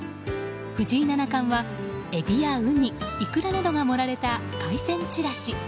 藤井七冠は、エビやウニイクラなどが盛られた海鮮ちらし。